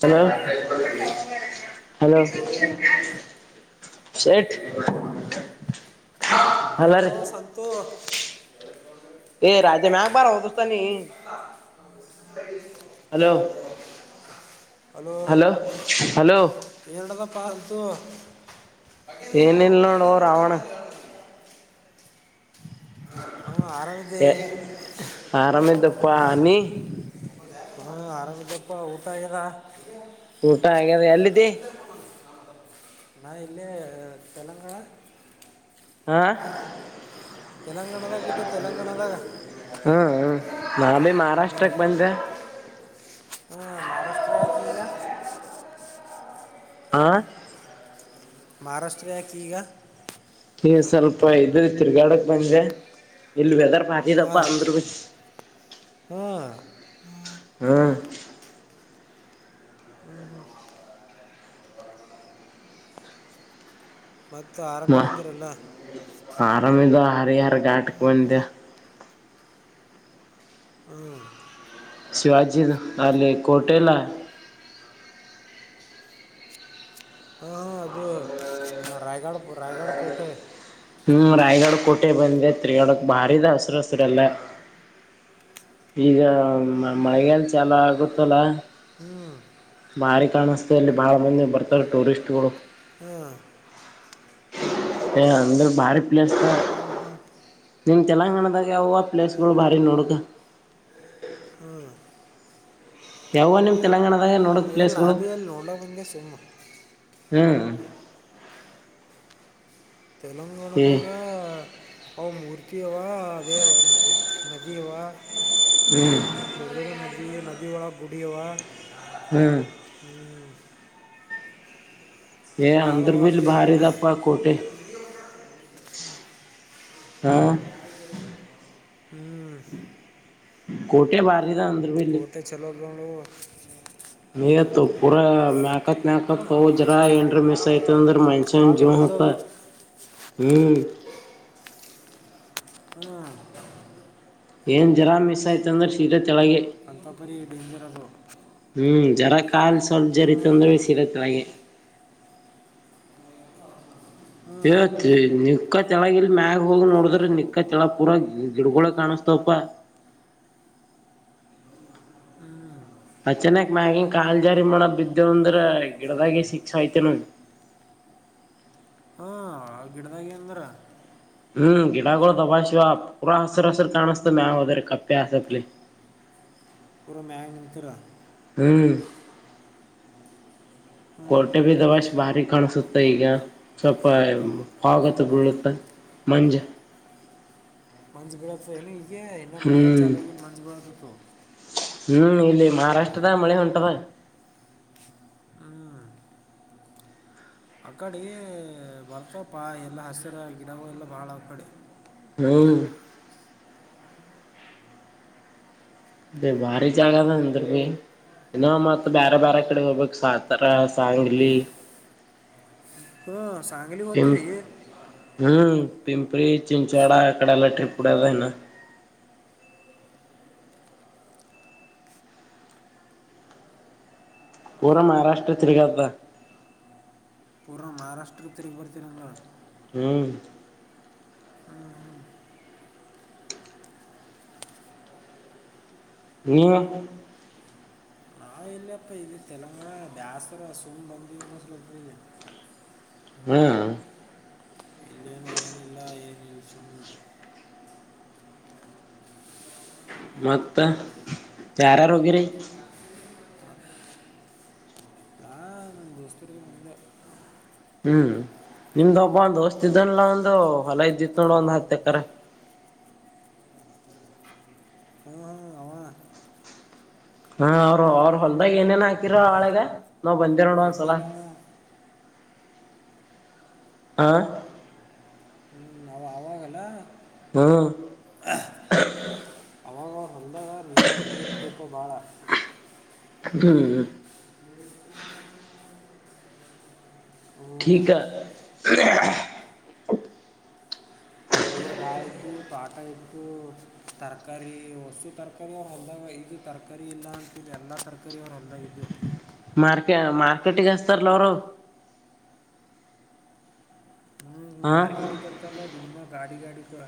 ಹನ್ನು hello ಶೇಠ ಡು ಸಂತೂ ರಾಜೆ ಮ್ಯಾಕ್ಬಾರ ಹತಸತ ನೀ ಹಲೋ ಹಲೋ ಹಲೋ ಎರಡದ ಪ ್ದ ಏನಲ್ಲ ಓ ರಾವಣ ಹ ಆರಾಮಿದೆ ಎ ಆರಾಮಿದ್ದಪ್ಪಾ ನೀ ಆರಾಮ ಜಪ್ಪ ಊಟ ಇಗ ಊಟ ಆಗ್ಯದ ಎಲ್ಲಿದ್ದಿ ನಾ ಇಲ್ಲಿೇ ತೆಲಂಗಾಣ ಆ ತೆಲಂಗಾಣದಾಗಿದ್ದ ತೆಲಂಗಾಣದಾಗ ಹ್ಮ್ ಹ್ಮ್ ನಾ ಭೀ ಹ್ಮ ಮಹಾರಾಷ್ಟ್ರಕ್ ಬಂದೆ ಹ್ಮ್ ಮಹಾರಾಷ್ಟ್ರ ಆಯ್ತು ಈಗ ಆ ಮಹಾರಾಷ್ಟ್ರಯ ಗ ಈ ಸ್ವಲ್ಪ ಇದ್ರ ತಿರ್ಗಾಡಕ್ ಬಜೆ ಎಲ್ಲ ಎಲ್ಲಾರ ಪಾತ ತಪ್ಪ ಹಾಂ ಅಂದ್ರ ಹ್ಞೂ ಹ್ಮ ಮತ್ತು ಆರಾಮದಿಂದ್ರಲ್ಲ ಹರಿ ಆಾರ ಗಾಟ ಕನ್ಿದೆ ಹ್ಮ್ ಶಿಿವಜಿ ಅಲ್ಲಿ ಕಟೆಲ್ಲ ಹಾ ಅದು ರಾಯ್ಗಡ ರಾಯಗಡ ಕೋಟೆ ಹ್ಮ್ ರಾಯ್ಗಡ ಕೋಟೆ ಬಂದೆ ತ್ರಿಗಡಕ್ ಬಾರಿಿದ ಹಸರು ಹಸಿರರೆಲ್ಲ ಈಗ ಮಳಗಾಲ ಚಲ ಆಗುತ್ತಲ್ಲ ಹ್ಮ್ ಬಾರಿ ಕಾಣಿಸ್ತಲ್ಲಿ ಬಾಳ ಮಂದಿ ಬರ್ತಾರೆ ಟೂರಿಸ್ಟ್ಗಳು ಹ್ಮ್ ಏ ಅಂದ್ರ ಭಾರಿ ಪ್ಲೇಸ್ ನಿನ್ ತೆಲಂಗಾಣದಾಗ ಯಾವ ಪ್ಲೇಸ್ಗಳು ಭಾರಿ ನೋಡ್ಕ ಯಾವ ನಿಮ್ ತೆಲಂಗಾಣದಾಗ ನೋಡಕ್ ಎಲ್ಲ ಪ್ಲೇಸ್ಗಳು ನಾಭಿ ಅಲ್ಲಿ ನೋಡ ಮುಂದ ಸಿಮ ಹ್ಮ್ ಏ ತೆಲಂಗಾಣದಾಗ ಓಂ ಉಊರ್ತಿವ ಅದೇ ಇ ನದಿಯವಾ ಹ್ಮ್ ಎ ಈ ನದಿಯ ಒಳಗೆ ಗುಡಿಯುವ ಹ್ಮ್ ಹ್ಮ್ ಏ ಅಂದ್ರ ಬಳವ ಬಿ ಇಲ್ಲಿ ಭಾರಿ ಇದಪ್ಪ ಕೋಟೆ ಹಾ ಹ್ಮ್ ಕೋಟೆ ಬ ಕೋಟೆ ಚಲೋ [unintelligible] ನಿಯತ್ತು ಪೂರ ಮ್ಯಾ ತ್ ನ ಆಕತ್ ನಾ ಕಪ್ಪೋ ಜರ ಎಂಟ್ರ್ ಮಿಸ್ ಆಯ್ತಂದ್ರ ಭಾಳ ಮನ್ಸನ್ ಜೀವನ ದೊಡ್ಡದು ಹೊತ್ತ ಅದು ಹ್ಮ್. ಹ್ಮ್ ಏನ್ ಜರಾ ಮಿಸ್ ಆಯ್ತ ಅಂದ್ರೆ ಶೀದಾ ಕೆಳಗೆ ಅಂತಪರಿ ಡೇಂಜರ್ ಅದು. ಜರಾಕ್ ಕಾಲ್ ಸ್ವಲ್ಪ ಹ್ಞೂ ಜರಿತಂದ್ರೇಸಿ ಇದಕ್ಕಾಗೆ ಹ್ಞೂ ಏಯ್ ನಿಕ್ಕ ಚಲ ಇಲ್ ಮ್ಯಾಗ ಹೋಗಿ ನೋಡಿದ್ರ ನಿಕ್ಕ ಚಲ ಪೂರ ಗಿಡಗೊಳೆ ಕಾಣಸ್ತಪ. ಅ ಚೆನಕ್ ಮ್ಯಗಿನ್ ಕಾಲ್ ಜಾರಿ ಮಾಡೋ ಬಿದ್ದೇವ ಅಂದ್ರ ಗಿಡದಾಗ ಸಿಕ್ಕ್ ಸಾಯ್ತೀವ್ ನವ್ ಹಾ ಗಿಡದಾಗಿ ಅಂದ್ರ ಹ್ಮ್ ಗಿಡಾಗುಳ ದಬ ಶಿವ ಪೂರ ಹಸರ ಹಸರ ತಾಣಸ್ತ ಮ್ಯಲ್ ಹೋದ್ರೆ ಕಪ್ಪೆ ಆಸಪ್ಲಿ ಪೂರ ಮ್ಯಾಗ್ ನಿಂತೀರ ಹ್ಮ ಹ್ಞೂ ಹ್ಞೂ ಕೊರ್ಟೆ ಬಿ ದಬಾಸ್ ಬಾರಿ. ಕಾಣಿಸುತ್ತೆ ಈಗ ಸ್ವಲ್ಪ ಪಾಗತ್ತು ಬಿಳುತ್ತೆ ಮಂಜ್ ಮಂಜ್ ಬೀಳತ್ತದೇನು ಈ ಈಗೆ ಇನ್ನು ಮಳೆಗಾಲ್ ಚಾಲು ಆಗಿನ್ ಮಂಜ್ ಬರದತ್ತು. ಹ್ಮ್ ಇಲ್ಲಿ ಮಹಾರಾಷ್ಟ್ರದಾಗ್ ಮಳೆ ಹೊಂಟದ. ಹ್ಞೂ ಆ ಕಡೆ ಬರ್ತಪ್ಪ ಎಲ್ಲ ಹಸಿರ ಗಿಡಗಳೆಲ್ಲ ಬಾಳ ಅ ಕಡಿ ಓಹ್ ಅದೆ ಭಾರಿ ಜಾಗ ಅಂದೀರ್ಬಿ ಇನ್ನೊ ಮತ್ತ್ ಬ್ಯಾರೆ ಬ್ಯಾರೆ ಕಡೆ ಹೋಗ್ಬೇಕ್ ಸತಾರ ಸಾಯಂಗಿಲ್ಲಿ ಹ್ಮ ಸಂಗಲಿ ಹೊತಿರೀ ಪಿಂಪರಿ ಚಿಂಚಡ ಇಕಡೆಲ್ಲ ಟ್ರಿಪು ಇಡದೇನ ಪೂರ ಮಹಾರಾಷ್ಟ್ರ ತಿರಿಗ್ಯ ಬ ಅಷ್ಟ್ರ ತೀರ್ಗ್ಬರ್ತೀರಲ್ಲ. ಹ್ಮ್ ಹ್ಞೂ ನೀನು ನಾವು ಇಲ್ಲಪ್ಪ ಇದು ತೆಲಂಗಾಣ ಬ್ಯಾಸ್ರ ಸುಮ್ ಬಂದವಿ ಅನ್ನೋ ಸಲ [unintelligible] ಹಾ ಇಲ್ಲೇನು ಏನಿಲ್ಲ ಏನು ಯಿ ಸುಮ್ನ. ಮತ್ತ ಯಾರ್ ಯಾರ್ ಹೋಗಿರಿ. ನಾ ನನ್ನ ದೋಸ್ತರಿಗೆ ಮುಂದೆ ಹ್ಮ್ ನಿಮ್ದ ಓಬ್ಬ ದೋಸ್ತ್ ಇದನಲ್ಲ ಒಂದು ಹೊಲ ಇದಿತ್ತು ನೋಡ ಒಂದ್ ಹತ್ ಎಕರೆ ಹ್ಞೂ ಹ್ಞೂ ಅವ ಹಾ ಅವರು ಅವ್ರ ಹೊಲ್ದಾಗ ಏನೇನ್ ಹಾಕಿರ ಆಳೆಗ ನಾವ್ ಬಂದ್ ದಿದ್ದೆ ಹ್ಞೂ ನೋಡ್ ಒಂದ್ ಸಲ ಇದ್ದಲ್ಲ ಅವ ಆ ಅಲ ಹಾ ರ್ ದೀಪ ಬಾಳ ಹ್ಮ್ [inaudible] ಹ್ಞೂ ಠಕ [unintelligible] ಇವರು ಭಾಳ ಇದ್ದವು ತೋಟ ಇಟ್ಟತ್ತು ತರಕಾರಿ ಹೊಸು ತರಕಾರಿ ಅವ್ರು ಅಲ್ದಾಗ ಇದು ತರಕಾರಿ ಇಲ್ಲ ಅಂತಿ ಎಲ್ಲ ತರಕಾರಿ ಅವ್ರು ಹೊಲ್ದಾಗ ಇದಿದ್ದವು ಮಾರ್ಕೆ ಮಾರ್ಕೆಟಿಗೆಸ್ತಾರಲ್ಲ ಅವರು ಹಾ ಮಾರ್ಕೆಟಿತರಲ್ಲ ನಿ ಗಾಡಿ ಗಾಡಿ ಗ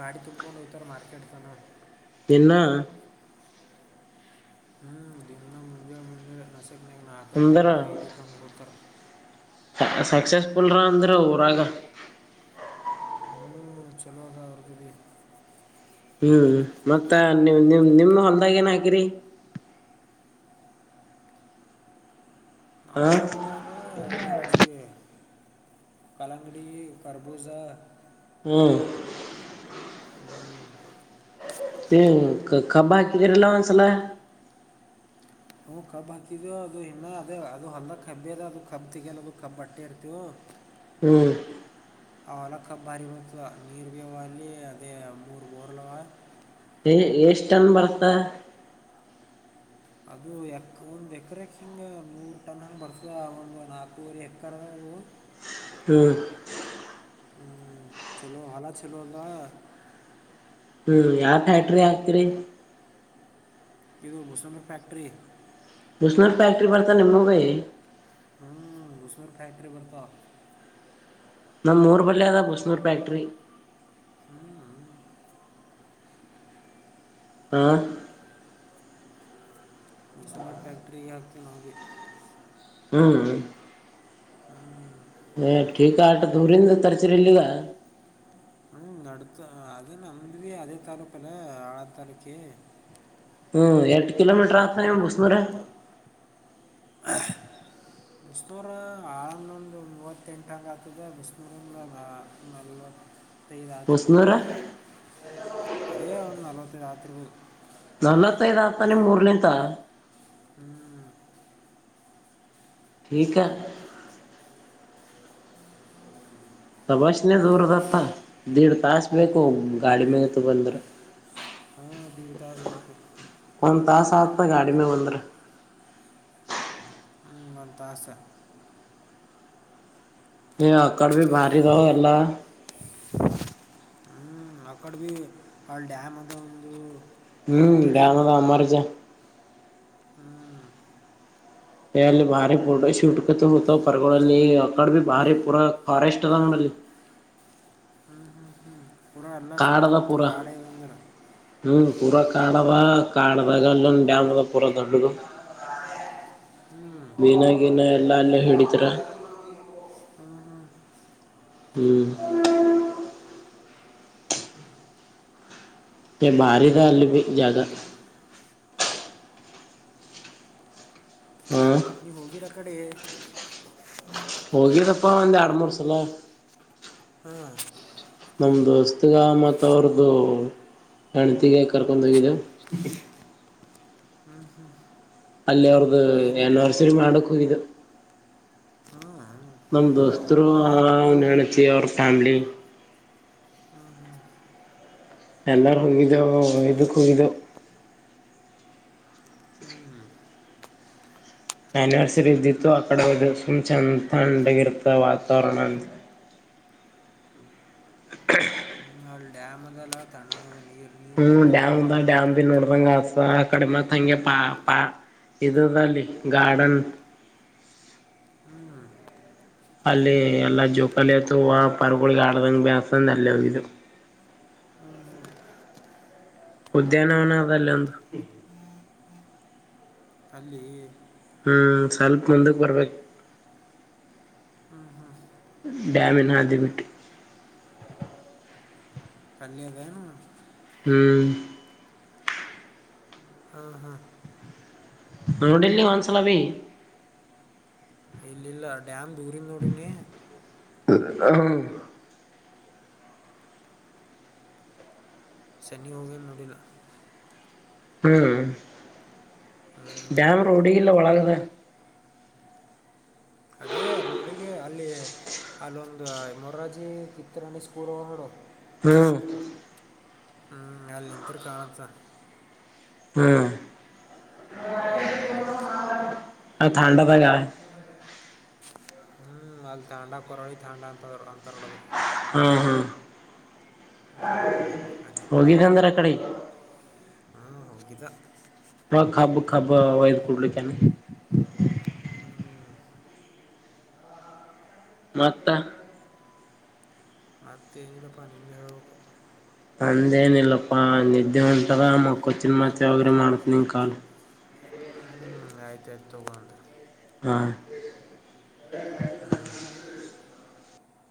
ಗಾಡಿ ತುಂಬಕೊಂಡು ಹೋ್ತಾರ ಮಾರ್ಕೆಟ್ ತನ ನಿನ್ನ ಹ್ಮ್ ದಿಂದದ ಮಂಜಳ ಮಂಜಿಳ ೆಕ್ನ ನಾಲ್ು ಅಂದ್ರ ಕಂಗಗೆ ಐದು ಕಂಗ ಹತಾರೆ ಸಕ್ಸಸ್ಫುಲ್ರ ಅಂದ್ರೆ ಊರಾಗ ಹ ಚಲೋದ ಅವರ್ದುಗೆ ಹ್ಮ್ ಮತ್ತ ನಿ್ ನಿಮ ನಿಮ್ ಹೊಲ್ದಾಗ ಏನ್ ಹಾಕಿರಿ ಹ ಆಮ ಇಲ್ಲಾಗ ಇದಾಚು ಕಲಂಗಡಿ ಕರಬೂಜ ಹ ಹ್ಮ್ ಹ ಕಬಾಕಿದರಲ್ಲನ್ಸಲ ಹ್ ಕಬ್ ಹಾಕಿದವು ಅದು ಇನ್ನ ಅದೇ ಅದು ಹೊಲ್ದ ಕಬ್ಬಿ ಅದ ಅದು ಕಬ್ ತಗಲ್ಲ ಅದು ಕಬ್ ಬಟ್ಟೆ ಇರ್ತಿವು ಹ್ಮ್ ಅವ ಒಲಕ್ಕ ಬಾರಿ ಬತ ನೀರ್ ಬಿ ಇವಿ ಅದೇ ಮೂರು ಬೋರ್ಲವಾ ಹ ಎಷ್ಟಂದ ಬರ್ತ ಅದು ಎ ಒಂದು ಎಕರೆಕ್ಕೆ ಹಿಂಗೆ ನೂರು ಟನ್ ಹಂಗೆ ಬರ್ತದೆ ಒಂದು ನಾಲ್ಕುವವರೆ ಎಕರೆ ಅದು ಹ್ಮ್ ಹ್ಮ್ ಚಲೋ ಹಾಲ ಚಲ ಅದಾ ಹ್ಮ್ ಯಾವ ಫ್ಯಾಕ್ಟ್ರಿ ಹಾಕ್ತಿರಿ ಇದು ಬಸಮಫ್ಯಾಕ್ಟ್ರರಿ ಬಸಣ್ಣ ಫ್ಯಾಕ್ಟ್ರಿ ಬರ್ತಾ ನಿಮ್ಮಗೆ ಹ್ಮ್ ಉಸ್ನರ್ ಫ್ಯಾಕ್ಟ್ರಿ ಬರ್ತ ನಮ್ಮ ಊರ್ ಬಳ್ಳಿ ಅದ ಬಸ್ನೂರ್ ಫ್ಯಾಕ್ಟ್ರಿ ಹ್ಮ ಹ ಉಸನಫ್ಯಾಕ್ಟ್ರಿಗೆ ಆಕ ನಾಗೆ ಹ್ಮ್ ಏ ೀಕ ಆಟ ದೂರಿಂದ ತರಚರಿ ಇಲ್ಲಿಗ ನತ ಅದು ನಂಬಿ ಅದೇ ತಾಲೂಕಲ್ಲ ಆಳಾ ತಾಲೂಕ ಹ್ಮ್ ಎಷ್ಟ ಕಿಲೋಮೀಟರ್ ಆತ ಬಸನ ರ ಬಿಸನೂರು ಆಳಂದೊಂದು ಮೂವತ್ತೆಂಟು ಹಂ ಆಗ್ತದೆ ಬಿಸನೂರಂದ ನಾ ನಲ್ವತ್ತು ಐದುಆಾತ್ರಿ ಮುಸ್ನೂರ ಅದೇ ಒ ನಲ ರಾತ್ರಿರು ನಲವತ್ತೈದ್ ಆತ ನಿಮ ಮೂರ್ ನಿಂತ ಹ್ಮ್ ಕ ತಭಾಷನ ಜೋರ ಜಾ ದೇಡ್ ತಾಾಸ ಬೇಕು ಗಾಡಿ ಮ ಸುಂದ್ರ ಹಾ ಬ ದಾಸ ಗುಪ ಹ ಗಾಡಿ ಮ ಬಂದರ ಹ್ಮತ್ತಾಸ ಹ ಕಡೆ ಭ ಭಾರಿಿದಾವ ಎಲ್ಲ ಹ್ಮ ಅಕ್ಕಡ ಭ ಆಳ ಡ್ಯಾಮ್ ಅಂತ ಒಂದು ಹ್ಮ್ ಕೊರಳಿ ಇಾಮದ ಅಮಾರಜಾ ಹ್ಮ್ ಅಲ್ಲಿ ಭಾರಿ ಪಟ ಶೂಟ್ ಕತ ಪರ್ಗಗಳಲ್ಲಿ ಅ ಕಡೆ ಭ ಭಾರಿ ಪೂರಾ ಫಾರೆಸ್ಟ್ ಅದ ಅಂಗಡಲ್ಲಿ ಹ್ಮ್ ಹ್ಮ್ ಹ್ಮ್ ಕಾಡದ ಪೂರ ಹ್ಮ್ ಪೂರ ಕಾಡ ನಾವ ಕಡದಾಗಲ್ಲ ಾಮದ ಪುರ ದೊಡ್ಡಗು ಬಿಿನಕಿನ ಎಲ್ಲ ಅಲ್ಲ ಹಿಡಿದ್ರ ಹ್ಮ ಹಾ ಹ್ಮ್ ಕೆ ಬರಿದ ಅಲ್ಲಿ ಜ ಹ ಮತ್ತ ನೀ ಹೋಗಿ ರಕ್ಕ ಕಡೆ ಹೋಗಿದಪ್ಪಾ ಒಂದ್ ಎರಡ್ ಮೂರು ಸಲ ಹ್ಮ ನಮ್ಮ ದಸ್ತಗೆ ಮತ್ತು ಅವ್ರದ್ದು ಗಣತಿಗೆ ಕರ್ಕೊಂಡೋಗಿದೆ ಹಾ ಹಾ ಅಲ್ಲ ಅವ್ರ್ದ ಎನರ್ಸರು ಮಾಡೇಡ ಕುೂ ಇದು ಹಾಂ ಹಾಂ ನಮ ದೋಸ್ತರು ಹ ನಣತಿ ಅವ್ರ ಫ್ಯಾಮಿಲಿ ಎಲ್ಲಾರು ಹೋಗಿದ ಇದುಕ್ಕೋಗಿದ ಹ್ಞೂ ಅನಿವರ್ಸರಿ ಇದ್ದಿತ್ತು ಆ ಕಡೆ ಸುಮ್ ಚೆಂದ ತಂಡಗ ಇರ್ತ ವಾತಾವರಣ ಅಂತ ಹ ನ ಡ್ಯಾಮಲ್ಲ ತಣ್ಣೋಗ ಹ್ಮ್ ಡ್ಯಾಮ್ ಬ ಡ್ಯಾಮ್ ಭ ನೋಡ್ದಂಗ ಆಸ ಆ ಕಡೆ ಮತ್ ಹಂಗೆ ಪಾ ಇದಲ್ಲಿ ಗಾರ್ಡನ್ ಹ್ಞೂ ಹ್ಞೂ ಅಲ್ಲಿ ಎಲ್ಲ ಜುಕಾಲ ಅತ ಪರ್ಗಳಿಗೆ ಆಡ್ದಂಗ ಬ್ಯಾಸಂದ ಅಲ್ಲಿ ಹೋಗು ಹ್ಞೂ ಉದ್ಯಾನನ ಅದಲ್ಲಂದು ಅಲ್ಲಿಿ ಹ್ಮ ಸ್ವಲ್ಪ ಮುಂದಕ್ಕೆ ಬರ್ಬೇಕು ಹ್ಞೂ ಹ್ಞೂ ಡ್ಯಾಮಿನ ಹಾದಿಬಿಟ್ಟು ಅಲ್ಲದನು ಹ್ಮ್ ಹ ಹಾ ನ್ಯೂ ಡೆಲ್ಲಿ ವನ್ಸಲ ಬಿ ಇಲ್ಲಿ ಇಲ್ಲ ಡ್ಯಾಮ್ ದೂರಿನೋಡನೇ ಹ ಸನ್ನಿಿವೋಗಲ್ ನುಡಲ ಹ್ಮ್ ಹ್ಞೂ ಡ್ಯಾಮ್ ರೋಡಿಿಗೆಲ್ಲ ಒಳಗದ ಅದೇ ರೋಡಿಗೆ ಅಲ್ಲಿ ಅಲ್ಲೊಂದು ಮೋರಾಜಿ ಚಿತ್ರಾಣಿ ಸ್ಕೂಲ್ ನೋಡು ಹ್ಮ್ ಹ್ಮ್ ಅಲ್ಲಿ ನಿಂತರು ಕಾಣತ್ತ ಹ್ಮ್ ಹ್ಞೂ ಥಾಂಡಾ ಭಾಗ ನ ಥಂಡಡ ಕರೋಡಿ ಥಂಡ ಅಂತ ದರ ಹ್ಮ್ ಹ್ಮ್ ಹ ಹ್ಞೂ ಅಲ್ಲಿ ಹೋಗಿಗಂದಾರ ಆ ಕಡೆ ಹ್ಞೂ ಹೋಗಿದ್ದ ಹಬ ಹಬ್ಬ ವಯದು ಕೊಡ್ಲಿಕ್ಕೆನೆ ಹ್ಞೂ ಮಕ್ತ ಮತ್ತೆ ಅಿದ ಪ ನಿ ಹ ಅಂದೇನ ಇಿಲ್ಲಪ್ಪಾ ನಿದ್ದೆ ಉಂಟಾರ ಮಕ್ಕಚ್ಚಿನ ಮತ್ತೆ ಯೋಗ್ರ ಮಾಡ್ತನಂಗ ಕಾಲು ಆಯ್ತಾಯ್ು ತಗೋೊಂಡೆ ಹಾ ಹ್ಞೂ